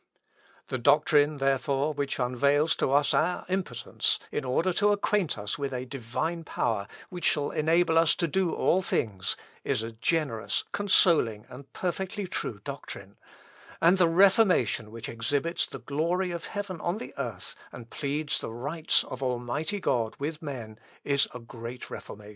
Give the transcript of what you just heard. The doctrine, therefore, which unveils to us our impotence, in order to acquaint us with a Divine power, which shall enable us to do all things, is a generous, consoling, and perfectly true doctrine; and the reformation which exhibits the glory of heaven on the earth, and pleads the rights of Almighty God with men, is a great reformation.